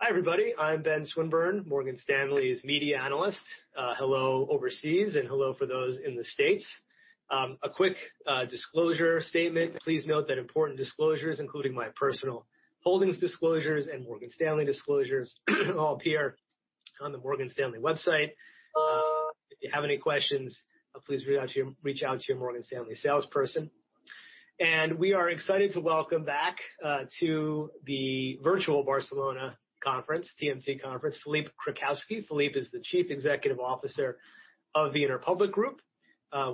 Hi, everybody. I'm Ben Swinburne, Morgan Stanley's media analyst. Hello overseas, and hello for those in the States. A quick disclosure statement: please note that important disclosures, including my personal holdings disclosures and Morgan Stanley disclosures, all appear on the Morgan Stanley website. If you have any questions, please reach out to your Morgan Stanley salesperson. We are excited to welcome back to the virtual Barcelona Conference, TMT Conference, Philippe Krakowsky. Philippe is the Chief Executive Officer of the Interpublic Group,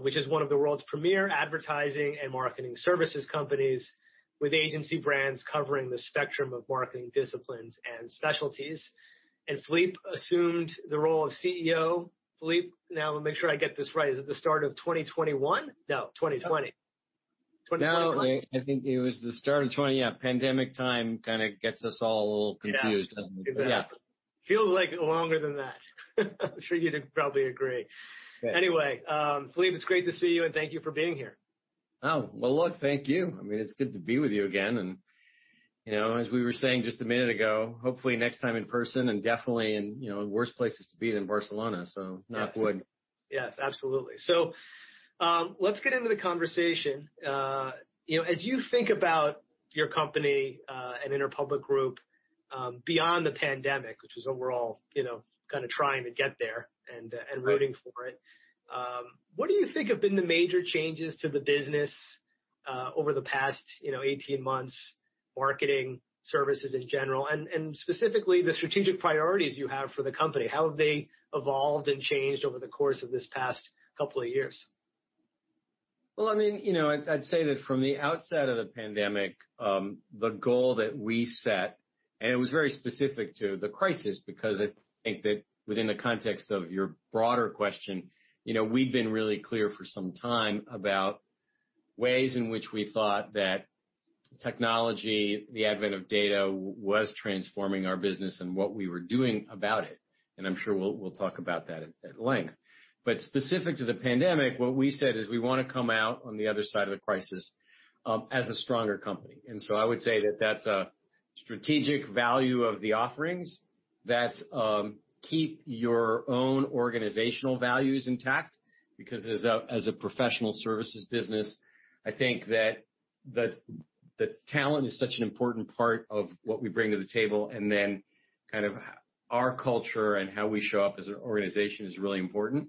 which is one of the world's premier advertising and marketing services companies, with agency brands covering the spectrum of marketing disciplines and specialties. Philippe assumed the role of CEO. Philippe, now, make sure I get this right: is it the start of 2021? No, 2020. No, I think it was the start of 2020. Yeah, pandemic time kind of gets us all a little confused, doesn't it? Yeah, feels like longer than that. I'm sure you'd probably agree. Anyway, Philippe, it's great to see you, and thank you for being here. Oh, well, look, thank you. I mean, it's good to be with you again, and as we were saying just a minute ago, hopefully next time in person, and definitely in worse places to be than Barcelona, so knock wood. Yes, absolutely, so let's get into the conversation. As you think about your company and Interpublic Group beyond the pandemic, which is what we're all kind of trying to get there and rooting for it, what do you think have been the major changes to the business over the past 18 months, marketing services in general, and specifically the strategic priorities you have for the company? How have they evolved and changed over the course of this past couple of years? I mean, I'd say that from the outset of the pandemic, the goal that we set, and it was very specific to the crisis, because I think that within the context of your broader question, we'd been really clear for some time about ways in which we thought that technology, the advent of data, was transforming our business and what we were doing about it. And I'm sure we'll talk about that at length. But specific to the pandemic, what we said is we want to come out on the other side of the crisis as a stronger company. And so I would say that that's a strategic value of the offerings. That's keep your own organizational values intact, because as a professional services business, I think that the talent is such an important part of what we bring to the table. And then kind of our culture and how we show up as an organization is really important.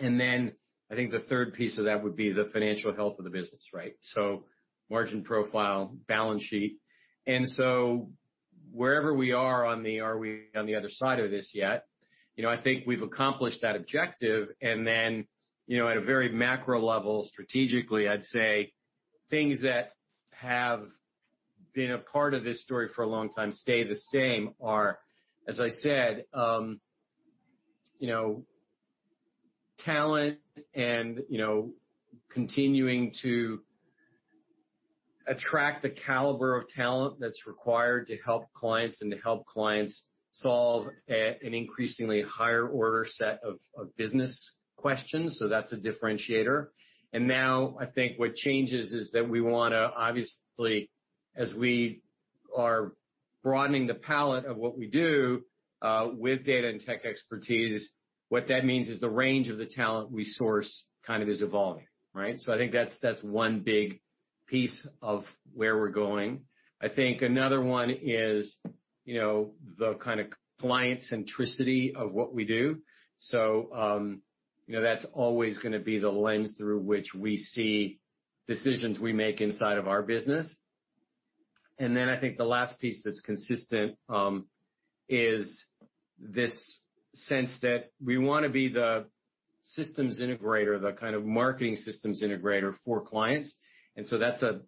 And then I think the third piece of that would be the financial health of the business, right? So margin profile, balance sheet. And so wherever we are on the, are we on the other side of this yet? I think we've accomplished that objective. And then at a very macro level, strategically, I'd say things that have been a part of this story for a long time stay the same are, as I said, talent and continuing to attract the caliber of talent that's required to help clients and to help clients solve an increasingly higher order set of business questions. So that's a differentiator. And now I think what changes is that we want to, obviously, as we are broadening the palette of what we do with data and tech expertise, what that means is the range of the talent we source kind of is evolving, right? So I think that's one big piece of where we're going. I think another one is the kind of client centricity of what we do. So that's always going to be the lens through which we see decisions we make inside of our business. And then I think the last piece that's consistent is this sense that we want to be the systems integrator, the kind of marketing systems integrator for clients. And so that's a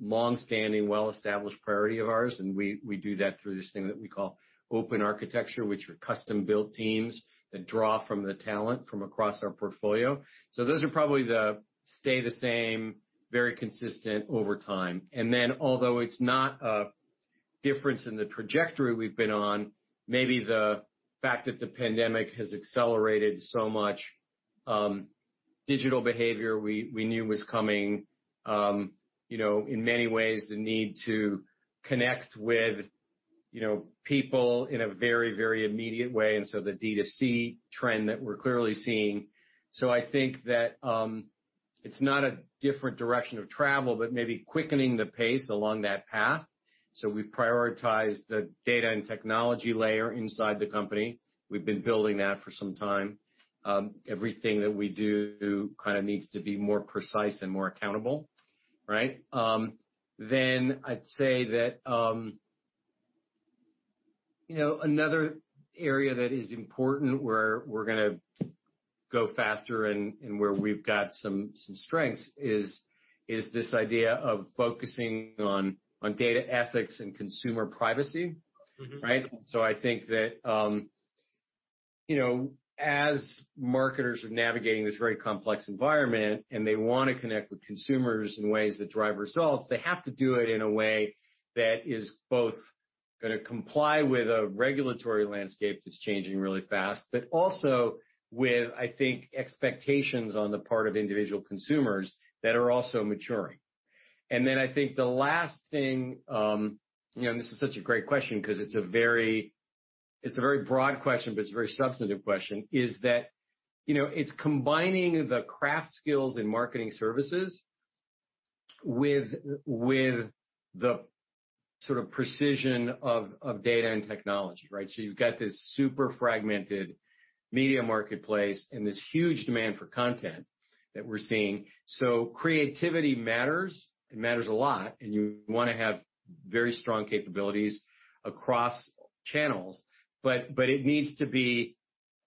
longstanding, well-established priority of ours. And we do that through this thing that we call open architecture, which are custom-built teams that draw from the talent from across our portfolio. So those are probably they stay the same, very consistent over time. And then although it's not a difference in the trajectory we've been on, maybe the fact that the pandemic has accelerated so much digital behavior we knew was coming, in many ways, the need to connect with people in a very, very immediate way, and so the D2C trend that we're clearly seeing. So I think that it's not a different direction of travel, but maybe quickening the pace along that path. So we've prioritized the data and technology layer inside the company. We've been building that for some time. Everything that we do kind of needs to be more precise and more accountable, right? Then I'd say that another area that is important where we're going to go faster and where we've got some strengths is this idea of focusing on data ethics and consumer privacy, right? So I think that as marketers are navigating this very complex environment and they want to connect with consumers in ways that drive results, they have to do it in a way that is both going to comply with a regulatory landscape that's changing really fast, but also with, I think, expectations on the part of individual consumers that are also maturing. And then I think the last thing, and this is such a great question because it's a very broad question, but it's a very substantive question, is that it's combining the craft skills in marketing services with the sort of precision of data and technology, right? So you've got this super fragmented media marketplace and this huge demand for content that we're seeing. So creativity matters. It matters a lot. You want to have very strong capabilities across channels, but it needs to be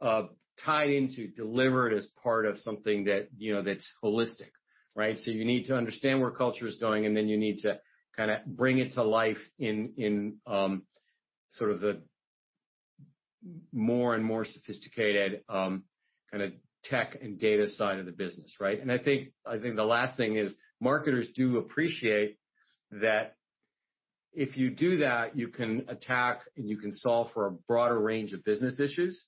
tied into delivered as part of something that's holistic, right? You need to understand where culture is going, and then you need to kind of bring it to life in sort of the more and more sophisticated kind of tech and data side of the business, right? I think the last thing is marketers do appreciate that if you do that, you can attack and you can solve for a broader range of business issues.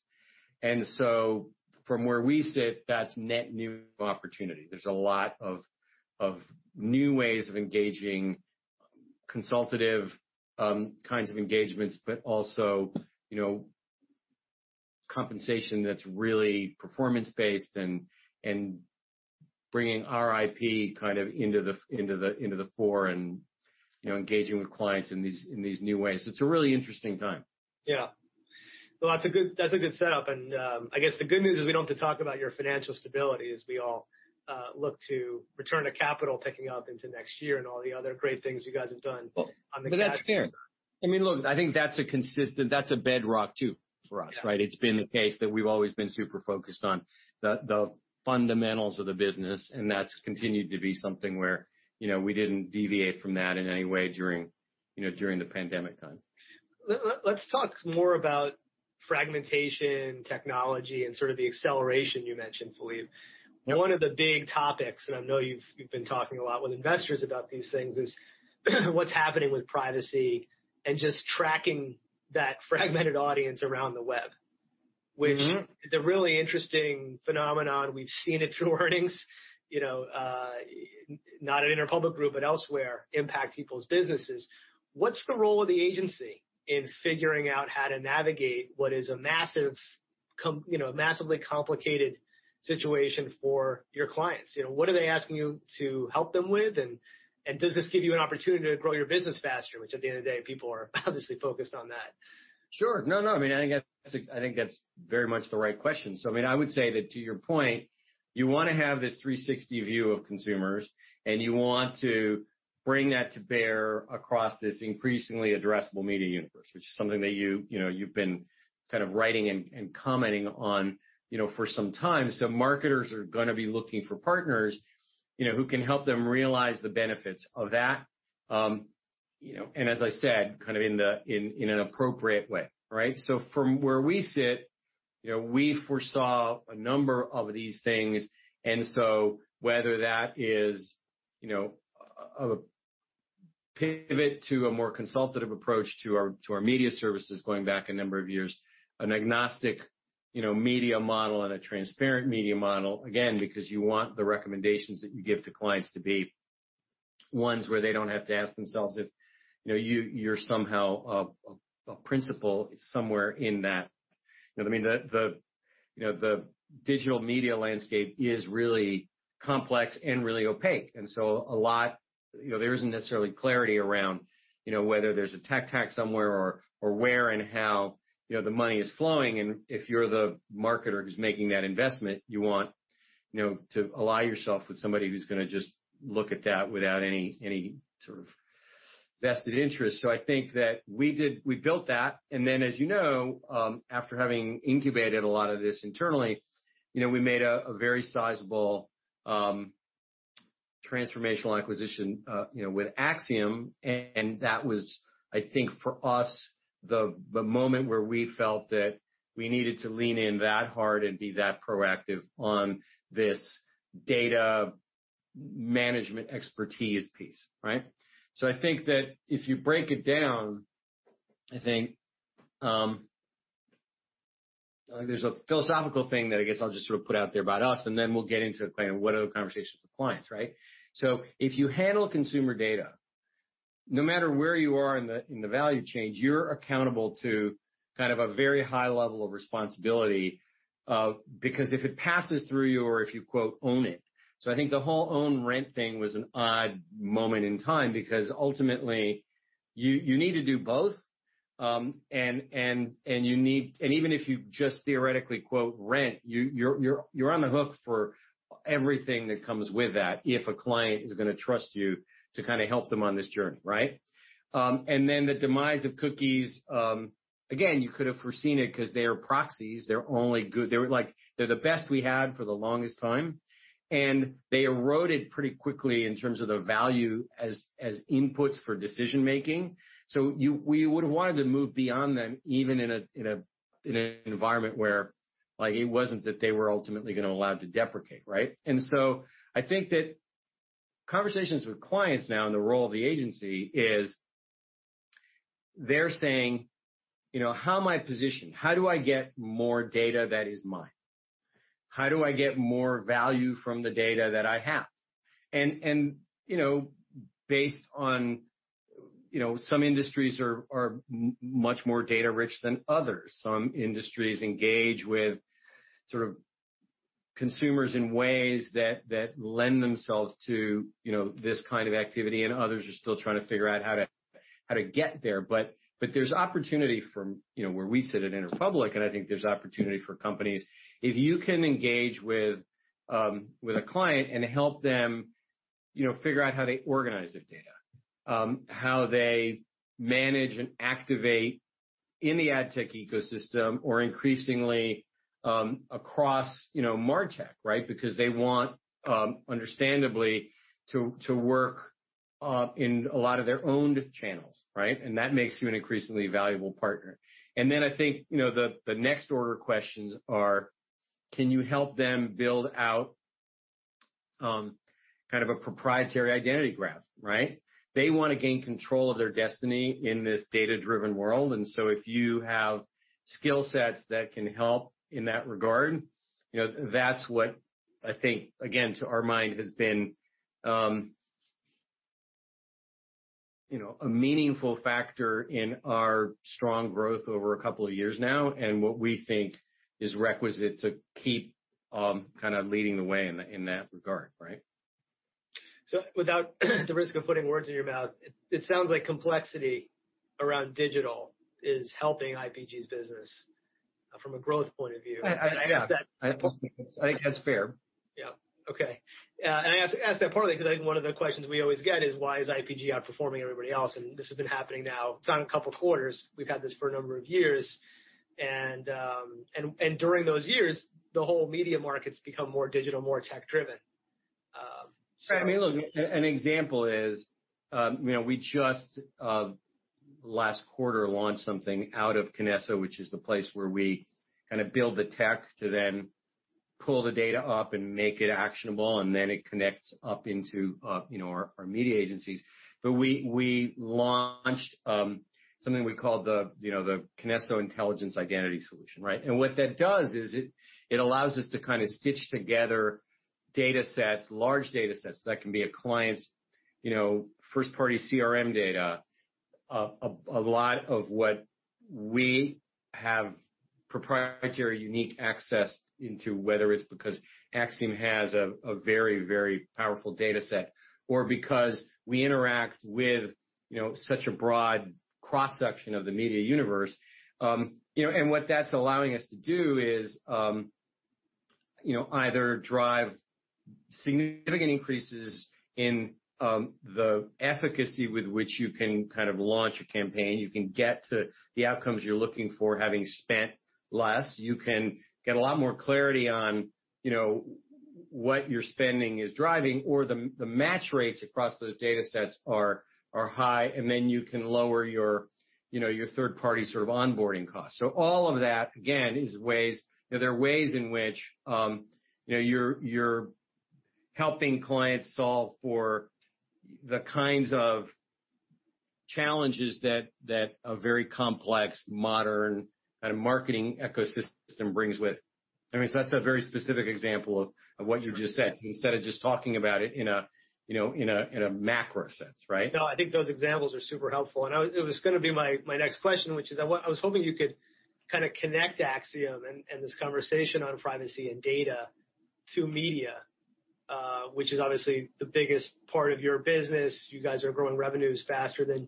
From where we sit, that's net new opportunity. There's a lot of new ways of engaging consultative kinds of engagements, but also compensation that's really performance-based and bringing ROI kind of into the fore and engaging with clients in these new ways. It's a really interesting time. Yeah. Well, that's a good setup. And I guess the good news is we don't have to talk about your financial stability as we all look to return to capital picking up into next year and all the other great things you guys have done on the ground. That's fair. I mean, look, I think that's a consistent bedrock too for us, right? It's been the case that we've always been super focused on the fundamentals of the business, and that's continued to be something where we didn't deviate from that in any way during the pandemic time. Let's talk more about fragmentation, technology, and sort of the acceleration you mentioned, Philippe. One of the big topics, and I know you've been talking a lot with investors about these things, is what's happening with privacy and just tracking that fragmented audience around the web, which is a really interesting phenomenon. We've seen it through earnings, not at Interpublic Group, but elsewhere, impact people's businesses. What's the role of the agency in figuring out how to navigate what is a massively complicated situation for your clients? What are they asking you to help them with? And does this give you an opportunity to grow your business faster, which at the end of the day, people are obviously focused on that? Sure. No, no. I mean, I think that's very much the right question. So I mean, I would say that to your point, you want to have this 360 view of consumers, and you want to bring that to bear across this increasingly addressable media universe, which is something that you've been kind of writing and commenting on for some time. So marketers are going to be looking for partners who can help them realize the benefits of that. And as I said, kind of in an appropriate way, right? So from where we sit, we foresaw a number of these things. And so whether that is a pivot to a more consultative approach to our media services going back a number of years, an agnostic media model, and a transparent media model, again, because you want the recommendations that you give to clients to be ones where they don't have to ask themselves if you're somehow a principal somewhere in that. I mean, the digital media landscape is really complex and really opaque. And so a lot there isn't necessarily clarity around whether there's a tech tax somewhere or where and how the money is flowing. And if you're the marketer who's making that investment, you want to ally yourself with somebody who's going to just look at that without any sort of vested interest. So I think that we built that. And then, as you know, after having incubated a lot of this internally, we made a very sizable transformational acquisition with Acxiom. And that was, I think, for us, the moment where we felt that we needed to lean in that hard and be that proactive on this data management expertise piece, right? So I think that if you break it down, I think there's a philosophical thing that I guess I'll just sort of put out there about us, and then we'll get into kind of what are the conversations with clients, right? So if you handle consumer data, no matter where you are in the value chain, you're accountable to kind of a very high level of responsibility because if it passes through you or if you "own it." So I think the whole own rent thing was an odd moment in time because ultimately you need to do both. And even if you just theoretically "rent," you're on the hook for everything that comes with that if a client is going to trust you to kind of help them on this journey, right? And then the demise of cookies, again, you could have foreseen it because they are proxies. They're the best we had for the longest time. And they eroded pretty quickly in terms of the value as inputs for decision-making. So we would have wanted to move beyond them even in an environment where it wasn't that they were ultimately going to allow it to deprecate, right? And so I think that conversations with clients now and the role of the agency is they're saying, "How am I positioned? How do I get more data that is mine? How do I get more value from the data that I have?" And based on some industries are much more data-rich than others. Some industries engage with sort of consumers in ways that lend themselves to this kind of activity, and others are still trying to figure out how to get there. But there's opportunity from where we sit at Interpublic, and I think there's opportunity for companies. If you can engage with a client and help them figure out how they organize their data, how they manage and activate in the ad tech ecosystem or increasingly across MarTech, right? Because they want, understandably, to work in a lot of their own channels, right? And that makes you an increasingly valuable partner. And then I think the next order questions are, can you help them build out kind of a proprietary identity graph, right? They want to gain control of their destiny in this data-driven world. And so if you have skill sets that can help in that regard, that's what I think, again, to our mind, has been a meaningful factor in our strong growth over a couple of years now and what we think is requisite to keep kind of leading the way in that regard, right? So without the risk of putting words in your mouth, it sounds like complexity around digital is helping IPG's business from a growth point of view. I think that's fair. Yeah. Okay. And I ask that partly because I think one of the questions we always get is, why is IPG outperforming everybody else? And this has been happening now. It's on a couple of quarters. We've had this for a number of years. And during those years, the whole media markets become more digital, more tech-driven. Right. I mean, look, an example is we just last quarter launched something out of Kinesso, which is the place where we kind of build the tech to then pull the data up and make it actionable, and then it connects up into our media agencies. But we launched something we call the Kinesso Intelligent Identity Solution, right? And what that does is it allows us to kind of stitch together data sets, large data sets that can be a client's first-party CRM data, a lot of what we have proprietary unique access into, whether it's because Acxiom has a very, very powerful data set or because we interact with such a broad cross-section of the media universe. And what that's allowing us to do is either drive significant increases in the efficacy with which you can kind of launch a campaign. You can get to the outcomes you're looking for having spent less. You can get a lot more clarity on what your spending is driving, or the match rates across those data sets are high, and then you can lower your third-party sort of onboarding costs. So all of that, again, is ways in which you're helping clients solve for the kinds of challenges that a very complex, modern kind of marketing ecosystem brings with it. I mean, so that's a very specific example of what you just said. So instead of just talking about it in a macro sense, right? No, I think those examples are super helpful. And it was going to be my next question, which is I was hoping you could kind of connect Acxiom and this conversation on privacy and data to media, which is obviously the biggest part of your business. You guys are growing revenues faster than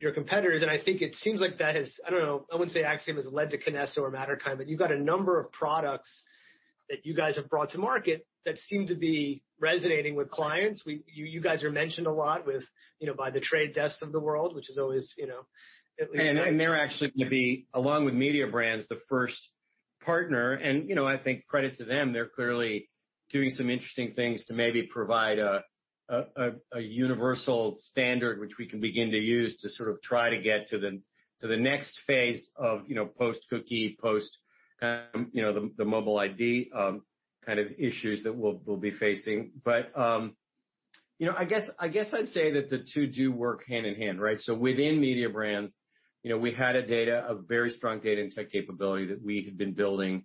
your competitors. And I think it seems like that has - I don't know. I wouldn't say Acxiom has led to Kinesso or Matterkind, but you've got a number of products that you guys have brought to market that seem to be resonating with clients. You guys are mentioned a lot by the trade desks of the world, which is always at least. They're actually going to be, along Mediabrands, the first partner. I think credit to them. They're clearly doing some interesting things to maybe provide a universal standard, which we can begin to use to sort of try to get to the next phase of post-cookie, post-kind of the mobile ID kind of issues that we'll be facing. I guess I'd say that the two do work hand in hand, right? Mediabrands, we had a very strong data and tech capability that we had been building.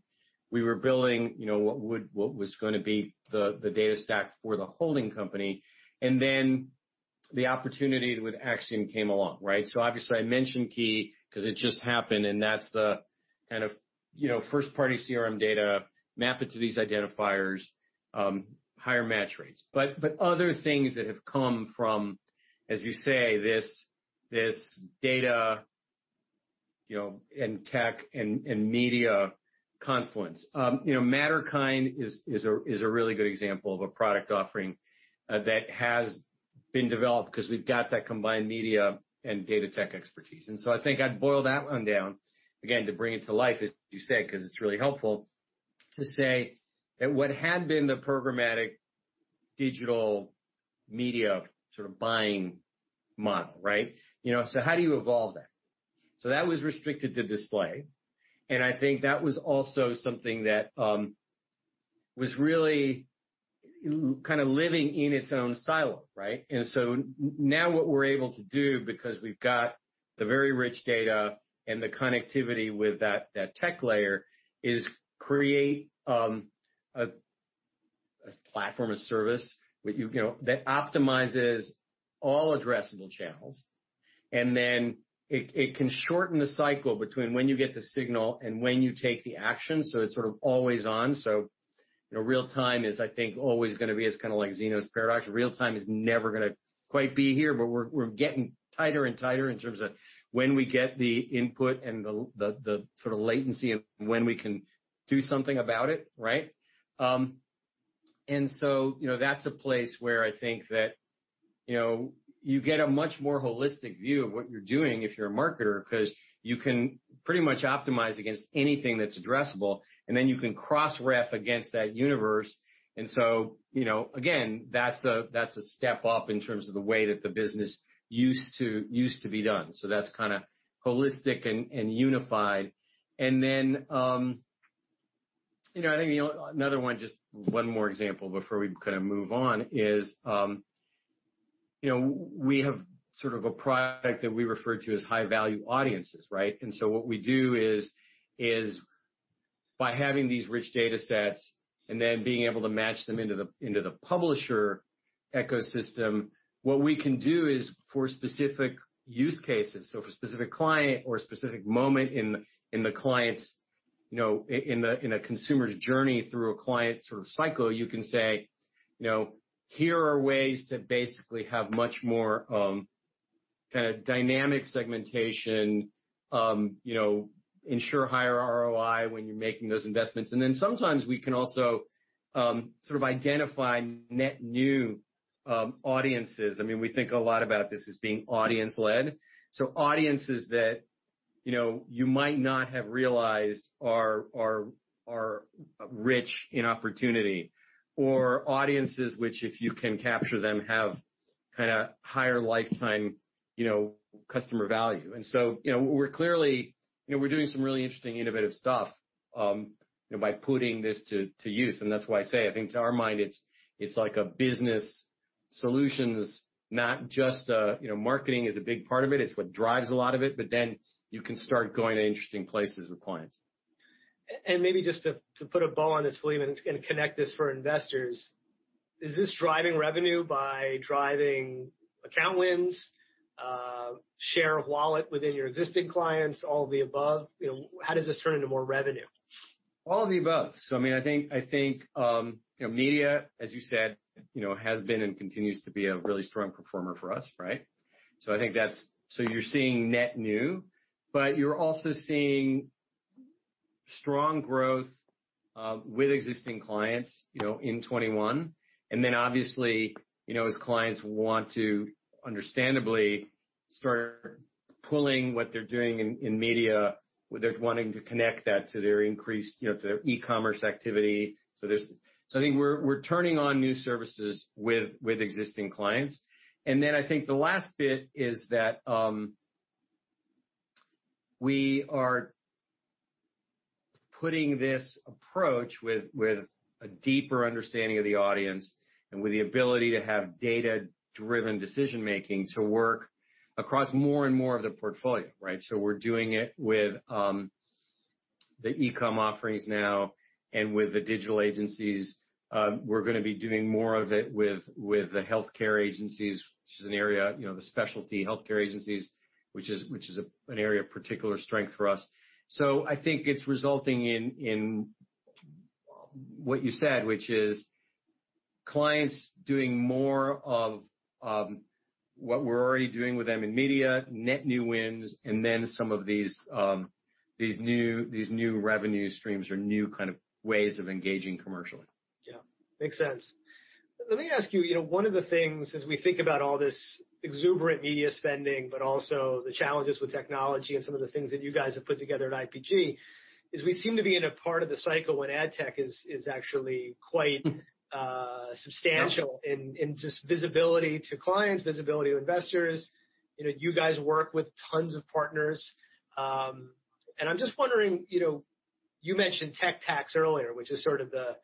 We were building what was going to be the data stack for the holding company. Then the opportunity with Acxiom came along, right? Obviously, I mentioned Kinesso because it just happened, and that's the kind of first-party CRM data, map it to these identifiers, higher match rates. But other things that have come from, as you say, this data and tech and media confluence. Matterkind is a really good example of a product offering that has been developed because we've got that combined media and data tech expertise. And so I think I'd boil that one down, again, to bring it to life, as you say, because it's really helpful to say that what had been the programmatic digital media sort of buying model, right? So how do you evolve that? So that was restricted to display. And I think that was also something that was really kind of living in its own silo, right? And so now what we're able to do, because we've got the very rich data and the connectivity with that tech layer, is create a platform, a service that optimizes all addressable channels. And then it can shorten the cycle between when you get the signal and when you take the action. So it's sort of always on. So real-time is, I think, always going to be as kind of like Zeno's paradox. Real-time is never going to quite be here, but we're getting tighter and tighter in terms of when we get the input and the sort of latency and when we can do something about it, right? And so that's a place where I think that you get a much more holistic view of what you're doing if you're a marketer because you can pretty much optimize against anything that's addressable, and then you can cross-ref against that universe. And so again, that's a step up in terms of the way that the business used to be done. So that's kind of holistic and unified. And then I think another one, just one more example before we kind of move on, is we have sort of a product that we refer to as high-value audiences, right? And so what we do is by having these rich data sets and then being able to match them into the publisher ecosystem, what we can do is for specific use cases. So for a specific client or a specific moment in the client's, in a consumer's journey through a client sort of cycle, you can say, "Here are ways to basically have much more kind of dynamic segmentation, ensure higher ROI when you're making those investments." And then sometimes we can also sort of identify net new audiences. I mean, we think a lot about this as being audience-led. Audiences that you might not have realized are rich in opportunity or audiences which, if you can capture them, have kind of higher lifetime customer value, and so we're clearly doing some really interesting innovative stuff by putting this to use, and that's why I say, I think to our mind, it's like a business solutions, not just marketing is a big part of it, it's what drives a lot of it, but then you can start going to interesting places with clients. Maybe just to put a bow on this, Philippe, and connect this for investors, is this driving revenue by driving account wins, share of wallet within your existing clients, all of the above? How does this turn into more revenue? All of the above. So I mean, I think media, as you said, has been and continues to be a really strong performer for us, right? So I think that's so you're seeing net new, but you're also seeing strong growth with existing clients in 2021. And then obviously, as clients want to understandably start pulling what they're doing in media, they're wanting to connect that to their increased e-commerce activity. So I think we're turning on new services with existing clients. And then I think the last bit is that we are putting this approach with a deeper understanding of the audience and with the ability to have data-driven decision-making to work across more and more of the portfolio, right? So we're doing it with the e-comm offerings now and with the digital agencies. We're going to be doing more of it with the healthcare agencies, which is an area, the specialty healthcare agencies, which is an area of particular strength for us. So I think it's resulting in what you said, which is clients doing more of what we're already doing with them in media, net new wins, and then some of these new revenue streams or new kind of ways of engaging commercially. Yeah. Makes sense. Let me ask you, one of the things as we think about all this exuberant media spending, but also the challenges with technology and some of the things that you guys have put together at IPG, is we seem to be in a part of the cycle when ad tech is actually quite substantial in just visibility to clients, visibility to investors. You guys work with tons of partners, and I'm just wondering, you mentioned tech tax earlier, which is sort of the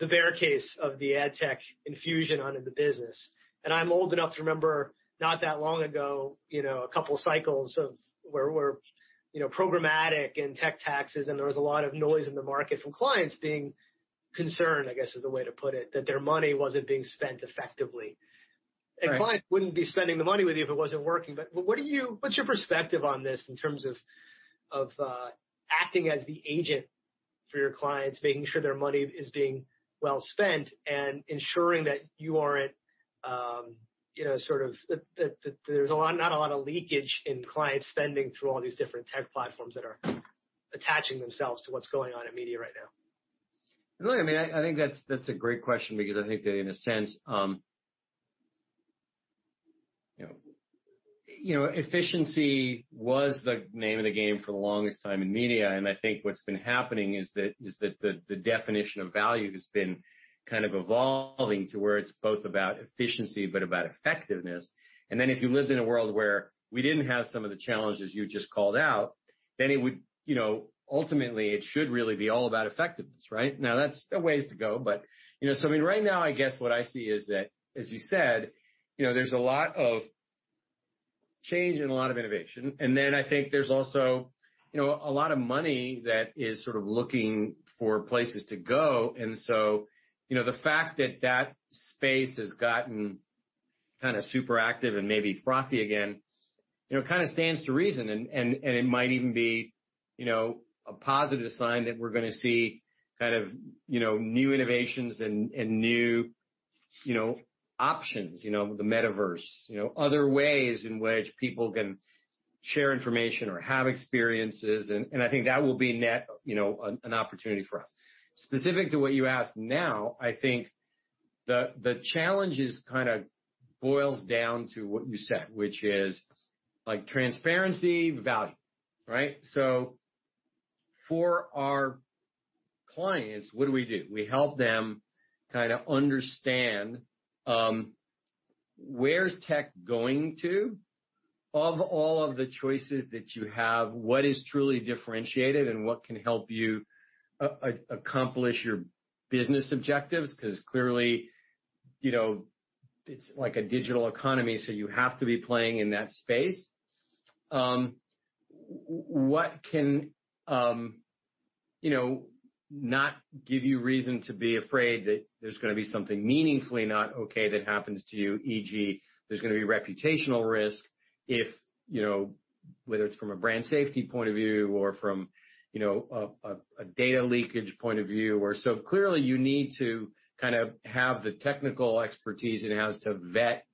barricades of the ad tech infusion onto the business, and I'm old enough to remember not that long ago, a couple of cycles of where we're programmatic and tech taxes, and there was a lot of noise in the market from clients being concerned, I guess is the way to put it, that their money wasn't being spent effectively. And clients wouldn't be spending the money with you if it wasn't working. But what's your perspective on this in terms of acting as the agent for your clients, making sure their money is being well spent and ensuring that you aren't sort of that there's not a lot of leakage in client spending through all these different tech platforms that are attaching themselves to what's going on in media right now? I mean, I think that's a great question because I think that in a sense, efficiency was the name of the game for the longest time in media. And I think what's been happening is that the definition of value has been kind of evolving to where it's both about efficiency but about effectiveness. And then if you lived in a world where we didn't have some of the challenges you just called out, then it would ultimately, it should really be all about effectiveness, right? Now, that's the way to go. But so I mean, right now, I guess what I see is that, as you said, there's a lot of change and a lot of innovation. And then I think there's also a lot of money that is sort of looking for places to go. And so the fact that that space has gotten kind of super active and maybe frothy again kind of stands to reason. And it might even be a positive sign that we're going to see kind of new innovations and new options, the metaverse, other ways in which people can share information or have experiences. And I think that will be net an opportunity for us. Specific to what you asked now, I think the challenge kind of boils down to what you said, which is transparency, value, right? So for our clients, what do we do? We help them kind of understand where's tech going to of all of the choices that you have, what is truly differentiated, and what can help you accomplish your business objectives because clearly, it's like a digital economy, so you have to be playing in that space. What cannot give you reason to be afraid that there's going to be something meaningfully not okay that happens to you, e.g., there's going to be reputational risk, whether it's from a brand safety point of view or from a data leakage point of view? So clearly, you need to kind of have the technical expertise in-house to vet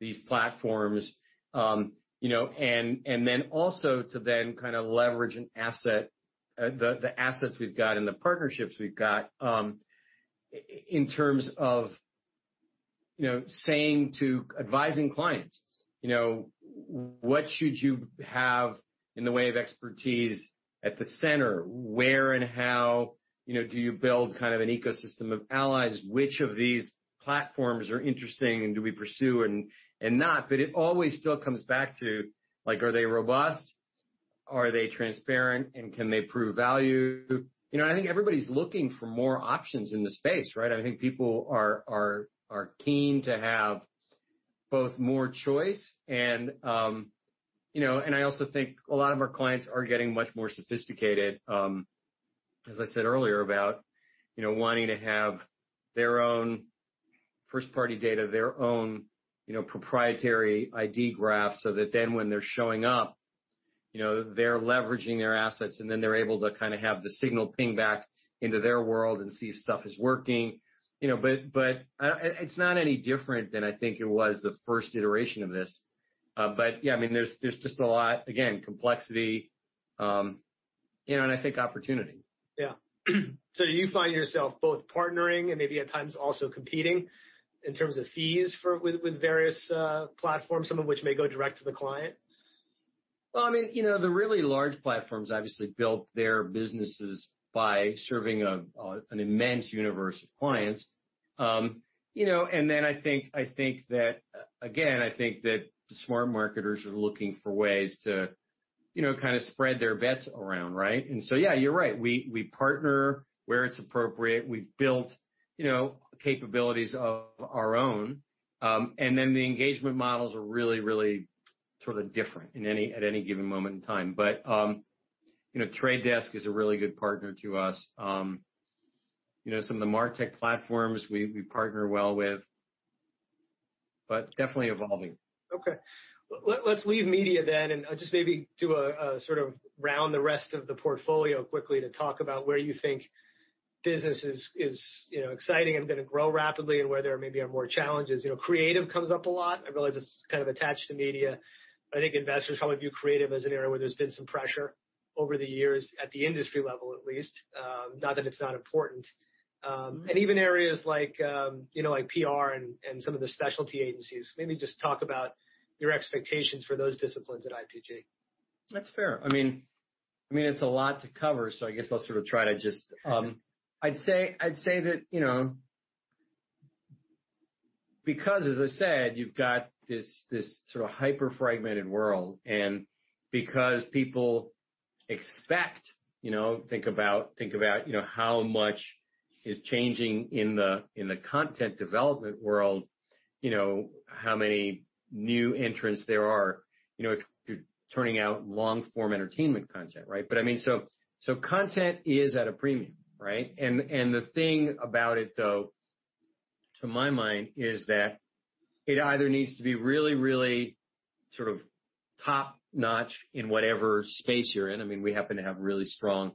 these platforms and then also to then kind of leverage the assets we've got and the partnerships we've got in terms of saying to advising clients, "What should you have in the way of expertise at the center? Where and how do you build kind of an ecosystem of allies? Which of these platforms are interesting and do we pursue and not?" But it always still comes back to, "Are they robust? Are they transparent? “And can they prove value?” and I think everybody’s looking for more options in the space, right? I think people are keen to have both more choice, and I also think a lot of our clients are getting much more sophisticated, as I said earlier, about wanting to have their own first-party data, their own proprietary ID graph so that then when they’re showing up, they’re leveraging their assets, and then they’re able to kind of have the signal ping back into their world and see if stuff is working. But it’s not any different than I think it was the first iteration of this. but yeah, I mean, there’s just a lot, again, complexity and I think opportunity. Yeah. So do you find yourself both partnering and maybe at times also competing in terms of fees with various platforms, some of which may go direct to the client? I mean, the really large platforms obviously build their businesses by serving an immense universe of clients. And then I think that, again, I think that smart marketers are looking for ways to kind of spread their bets around, right? And so yeah, you're right. We partner where it's appropriate. We've built capabilities of our own. And then the engagement models are really, really sort of different at any given moment in time. But Trade Desk is a really good partner to us. Some of the MarTech platforms we partner well with, but definitely evolving. Okay. Let's leave media then and just maybe do a sort of round the rest of the portfolio quickly to talk about where you think business is exciting and going to grow rapidly and where there maybe are more challenges. Creative comes up a lot. I realize it's kind of attached to media. I think investors probably view creative as an area where there's been some pressure over the years at the industry level at least, not that it's not important, and even areas like PR and some of the specialty agencies, maybe just talk about your expectations for those disciplines at IPG. That's fair. I mean, it's a lot to cover, so I guess I'll sort of try to just, I'd say, that because, as I said, you've got this sort of hyper-fragmented world, and because people expect, think about how much is changing in the content development world, how many new entrants there are if you're turning out long-form entertainment content, right, but I mean, so content is at a premium, right, and the thing about it, though, to my mind, is that it either needs to be really, really sort of top-notch in whatever space you're in. I mean, we happen to have really strong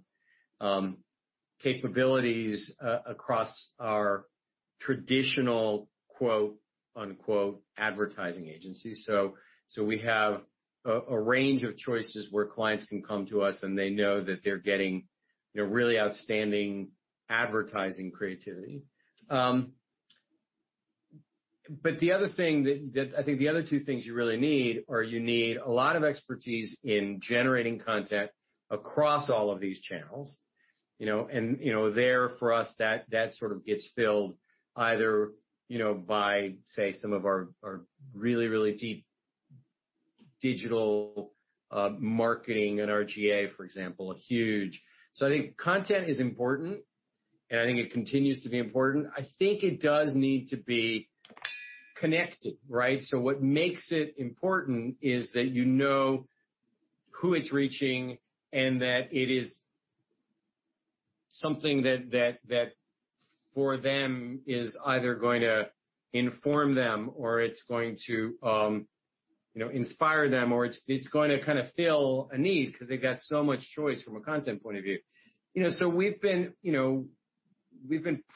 capabilities across our traditional "advertising agencies," so we have a range of choices where clients can come to us, and they know that they're getting really outstanding advertising creativity. But the other thing that I think the other two things you really need are you need a lot of expertise in generating content across all of these channels. And therefore, for us, that sort of gets filled either by, say, some of our really, really deep digital marketing and R/GA, for example, Huge. So I think content is important, and I think it continues to be important. I think it does need to be connected, right? So what makes it important is that you know who it's reaching and that it is something that for them is either going to inform them or it's going to inspire them or it's going to kind of fill a need because they've got so much choice from a content point of view. So we've been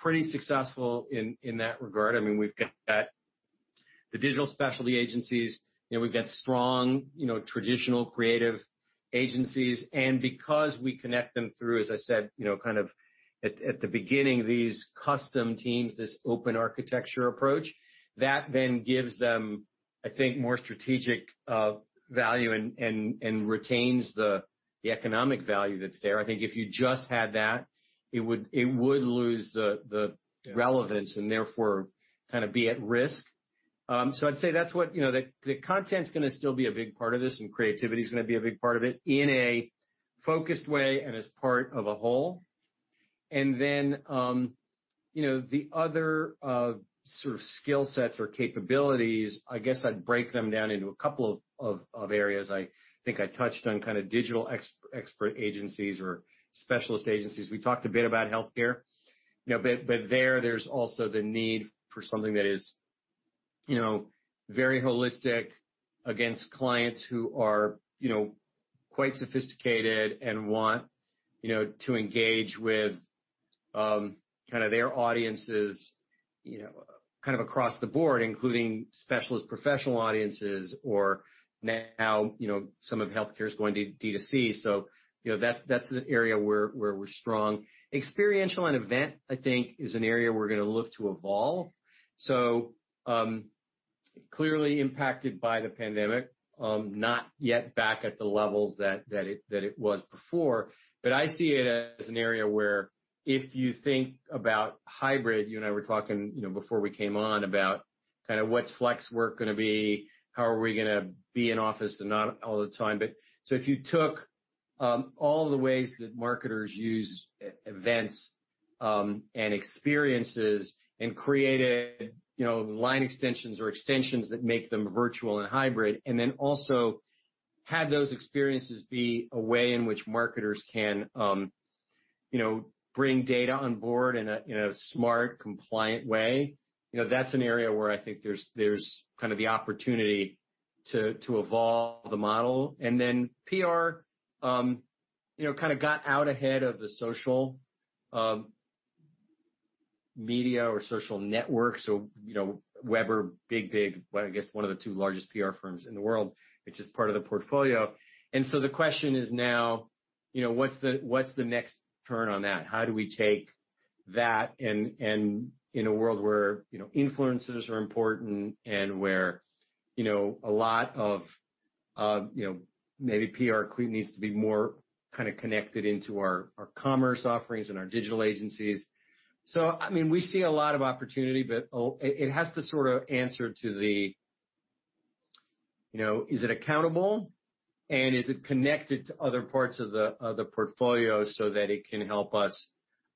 pretty successful in that regard. I mean, we've got the digital specialty agencies. We've got strong traditional creative agencies, and because we connect them through, as I said, kind of at the beginning, these custom teams, this open architecture approach, that then gives them, I think, more strategic value and retains the economic value that's there. I think if you just had that, it would lose the relevance and therefore kind of be at risk, so I'd say that's what the content's going to still be a big part of this, and creativity is going to be a big part of it in a focused way and as part of a whole, and then the other sort of skill sets or capabilities, I guess I'd break them down into a couple of areas. I think I touched on kind of digital expert agencies or specialist agencies. We talked a bit about healthcare. But there's also the need for something that is very holistic against clients who are quite sophisticated and want to engage with kind of their audiences kind of across the board, including specialist professional audiences or now some of healthcare is going to DTC. So that's an area where we're strong. Experiential and event, I think, is an area we're going to look to evolve. So clearly impacted by the pandemic, not yet back at the levels that it was before. But I see it as an area where if you think about hybrid, you and I were talking before we came on about kind of what's flex work going to be, how are we going to be in office and not all the time. So if you took all the ways that marketers use events and experiences and created line extensions or extensions that make them virtual and hybrid, and then also had those experiences be a way in which marketers can bring data on board in a smart, compliant way, that's an area where I think there's kind of the opportunity to evolve the model. And then PR kind of got out ahead of the social media or social networks. So Weber Shandwick, big, big, I guess one of the two largest PR firms in the world, which is part of the portfolio. And so the question is now, what's the next turn on that? How do we take that in a world where influencers are important and where a lot of maybe PR needs to be more kind of connected into our commerce offerings and our digital agencies? So I mean, we see a lot of opportunity, but it has to sort of answer to the, is it accountable and is it connected to other parts of the portfolio so that it can help us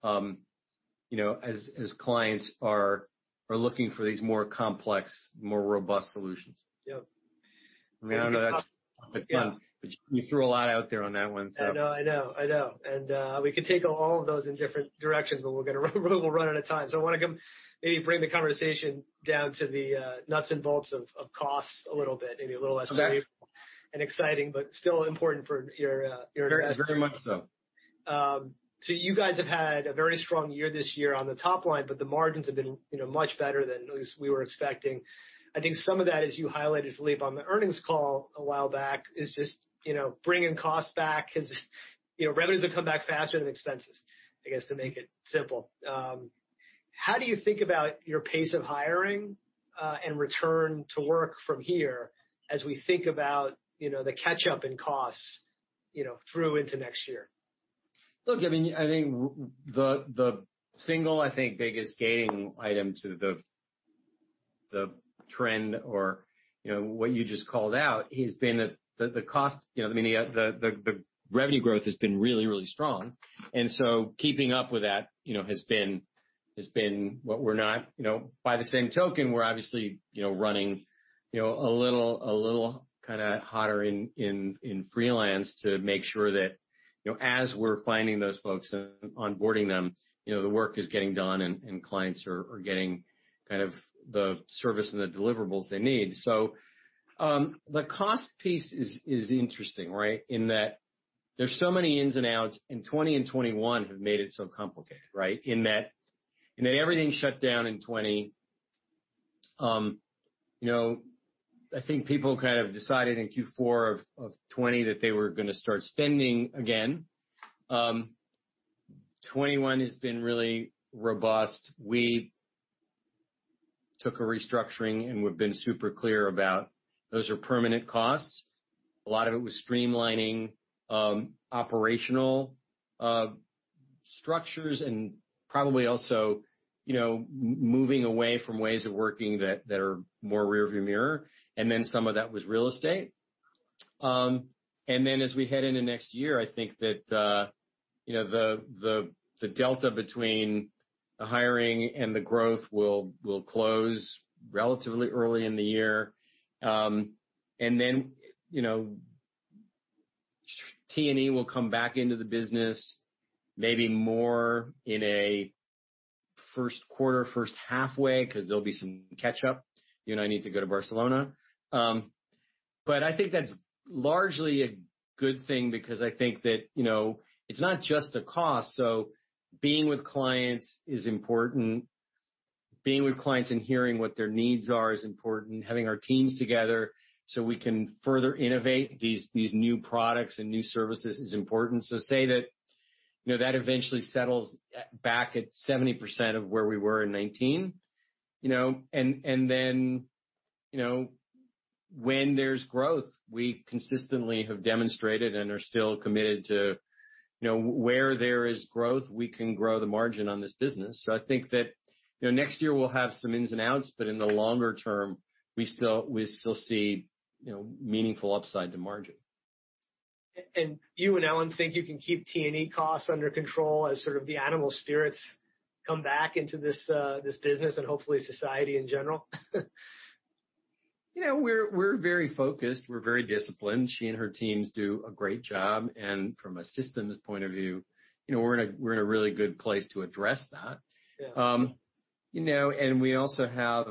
as clients are looking for these more complex, more robust solutions? Yeah. I mean, I don't know, that's a good one, but you threw a lot out there on that one, so. I know. I know. I know. And we can take all of those in different directions, but we're going to run out of time. So I want to maybe bring the conversation down to the nuts and bolts of costs a little bit, maybe a little less brief and exciting, but still important for your investment. Very much so. So you guys have had a very strong year this year on the top line, but the margins have been much better than at least we were expecting. I think some of that, as you highlighted, Philippe, on the earnings call a while back is just bringing costs back because revenues have come back faster than expenses, I guess, to make it simple. How do you think about your pace of hiring and return to work from here as we think about the catch-up in costs through into next year? Look, I mean, I think the single, I think, biggest gating item to the trend or what you just called out has been the cost. I mean, the revenue growth has been really, really strong. And so keeping up with that has been what we're not by the same token, we're obviously running a little kind of hotter in freelance to make sure that as we're finding those folks and onboarding them, the work is getting done and clients are getting kind of the service and the deliverables they need. So the cost piece is interesting, right, in that there's so many ins and outs, and 2020 and 2021 have made it so complicated, right, in that everything shut down in 2020. I think people kind of decided in Q4 of 2020 that they were going to start spending again. 2021 has been really robust. We took a restructuring, and we've been super clear about those are permanent costs. A lot of it was streamlining operational structures and probably also moving away from ways of working that are more rearview mirror, and then some of that was real estate. As we head into next year, I think that the delta between the hiring and the growth will close relatively early in the year, and then T&E will come back into the business, maybe more in a first quarter, first halfway, because there'll be some catch-up. I need to go to Barcelona, but I think that's largely a good thing because I think that it's not just a cost. Being with clients is important. Being with clients and hearing what their needs are is important. Having our teams together so we can further innovate these new products and new services is important. So, say that that eventually settles back at 70% of where we were in 2019. And then, when there's growth, we consistently have demonstrated and are still committed to where there is growth, we can grow the margin on this business. So, I think that next year we'll have some ins and outs, but in the longer term, we still see meaningful upside to margin. You and Ellen think you can keep T&E costs under control as sort of the animal spirits come back into this business and hopefully society in general? We're very focused. We're very disciplined. She and her teams do a great job. And from a systems point of view, we're in a really good place to address that. And we also have,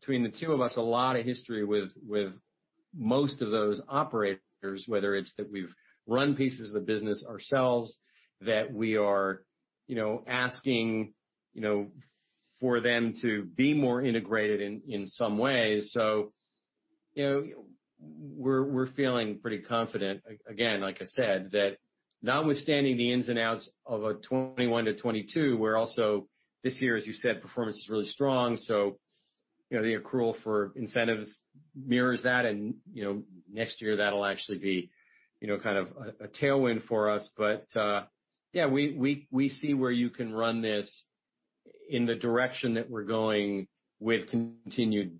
between the two of us, a lot of history with most of those operators, whether it's that we've run pieces of the business ourselves, that we are asking for them to be more integrated in some ways. So we're feeling pretty confident, again, like I said, that notwithstanding the ins and outs of a 2021-2022, we're also this year, as you said, performance is really strong. So the accrual for incentives mirrors that. And next year, that'll actually be kind of a tailwind for us. But yeah, we see where you can run this in the direction that we're going with continued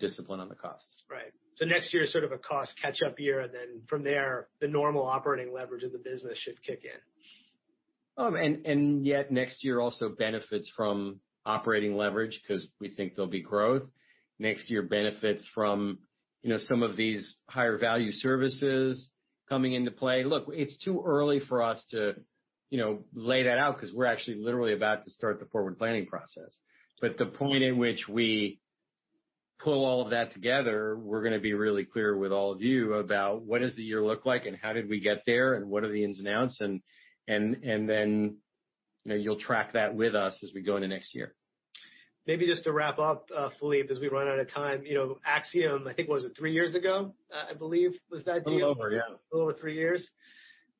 discipline on the cost. Right, so next year is sort of a cost catch-up year, and then from there, the normal operating leverage of the business should kick in. And yet next year also benefits from operating leverage because we think there'll be growth. Next year benefits from some of these higher value services coming into play. Look, it's too early for us to lay that out because we're actually literally about to start the forward planning process. But the point at which we pull all of that together, we're going to be really clear with all of you about what does the year look like and how did we get there and what are the ins and outs. And then you'll track that with us as we go into next year. Maybe just to wrap up, Philippe, as we run out of time, Acxiom, I think was it three years ago, I believe, was that deal? A little over, yeah. A little over three years,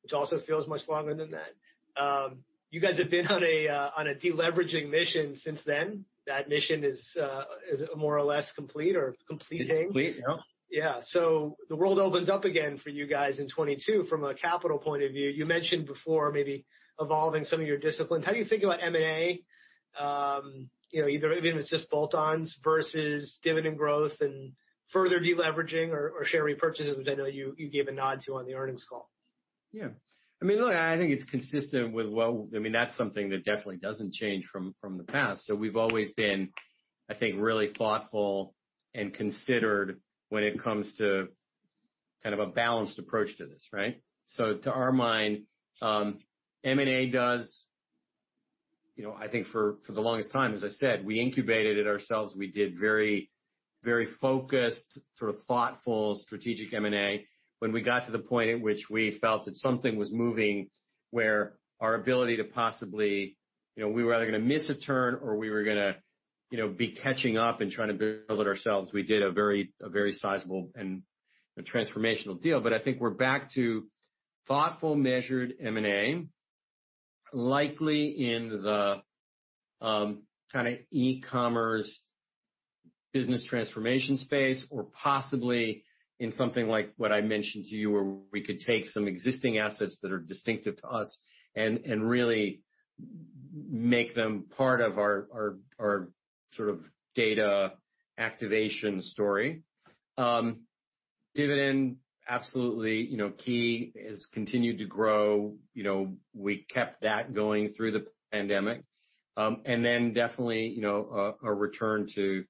which also feels much longer than that. You guys have been on a deleveraging mission since then. That mission is more or less complete or completing. Complete, yeah. Yeah. So the world opens up again for you guys in 2022 from a capital point of view. You mentioned before maybe evolving some of your disciplines. How do you think about M&A, either even if it's just bolt-ons versus dividend growth and further deleveraging or share repurchases, which I know you gave a nod to on the earnings call? Yeah. I mean, look, I think it's consistent with what I mean, that's something that definitely doesn't change from the past. So we've always been, I think, really thoughtful and considered when it comes to kind of a balanced approach to this, right? So to our mind, M&A does, I think for the longest time, as I said, we incubated it ourselves. We did very focused, sort of thoughtful, strategic M&A when we got to the point at which we felt that something was moving where our ability to possibly we were either going to miss a turn or we were going to be catching up and trying to build it ourselves. We did a very sizable and transformational deal. But I think we're back to thoughtful, measured M&A, likely in the kind of e-commerce business transformation space or possibly in something like what I mentioned to you where we could take some existing assets that are distinctive to us and really make them part of our sort of data activation story. Dividend, absolutely key, has continued to grow. We kept that going through the pandemic, and then definitely a return to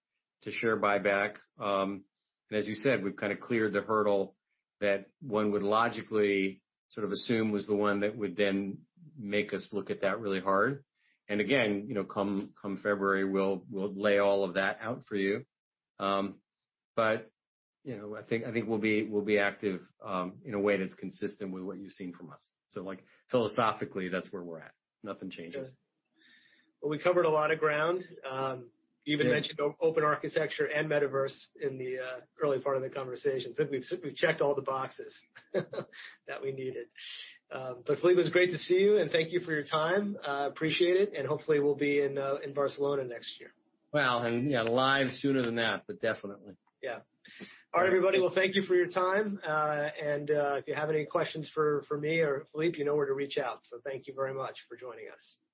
share buyback, and as you said, we've kind of cleared the hurdle that one would logically sort of assume was the one that would then make us look at that really hard. And again, come February, we'll lay all of that out for you, but I think we'll be active in a way that's consistent with what you've seen from us, so philosophically, that's where we're at. Nothing changes. We covered a lot of ground. You even mentioned open architecture and metaverse in the early part of the conversation. I think we've checked all the boxes that we needed. But Philippe, it was great to see you, and thank you for your time. I appreciate it. Hopefully, we'll be in Barcelona next year. Well, and live sooner than that, but definitely. Yeah. All right, everybody. Well, thank you for your time. And if you have any questions for me or Philippe, you know where to reach out. So thank you very much for joining us.